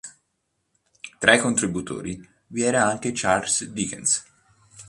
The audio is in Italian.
Tra i contributori vi era anche Charles Dickens.